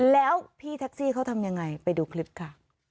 แล้วพี่แท็กซี่เขาทำยังไงไปดูคลิปค่ะ